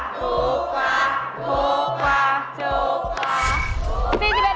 ถูกกว่าถูกกว่าถูกกว่า